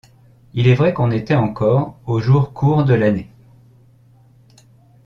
Il est vrai qu’on était encore aux jours courts de l’année.